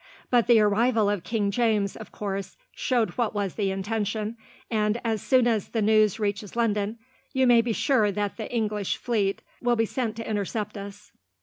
But the arrival of King James, of course, showed what was the intention, and, as soon as the news reaches London, you may be sure that the English fleet will be sent to intercept us."